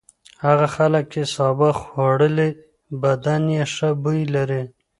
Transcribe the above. هغه خلک چې سابه خوړلي بدن یې ښه بوی لري.